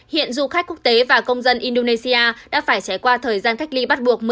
hiện du khách quốc tế và công dân indonesia đã phải trải qua thời gian cách ly bắt buộc